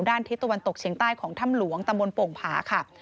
ด้านทิศตะวันตกเชียงใต้ของถ้ำหลวงตะมนต์โป่งพาค่ะ